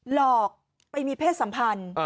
หลอกไปมีเพศสัมพันธ์